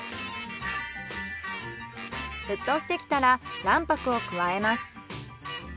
沸騰してきたら卵白を加えます。